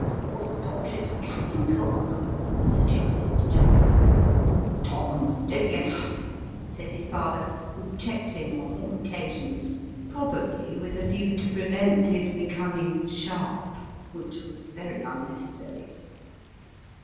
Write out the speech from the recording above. " Or the portraits of Captain Cook !" suggested Tom. " Tom don't be an ass !" said his father, who checked him on all occasions, probably with a view to prevent his becoming " sharp " which was very unnecessary.